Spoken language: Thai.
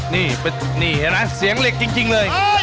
นี่เห็นไหมเสียงเหล็กจริงเลย